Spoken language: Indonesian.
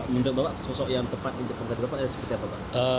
minta bapak sosok yang tepat untuk pengganti bapak seperti apa